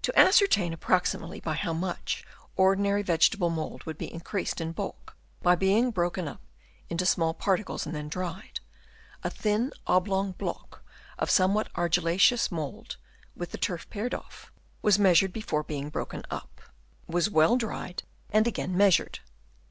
To ascertain ap proximately by how much ordinary vegetable mould would be increased in bulk by being broken up into small particles and then dried, a thin oblong block of somewhat argillaceous mould (with the turf pared off) was measured before being broken up, was well dried and Chap. III. ANNUALLY ACCUMULATED. 173 again measured.